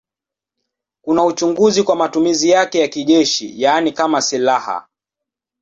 Kuna uchunguzi kwa matumizi yake ya kijeshi, yaani kama silaha.